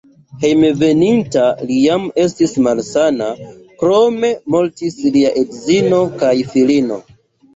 Hejmenveninta li jam estis malsana, krome mortis lia edzino kaj filino.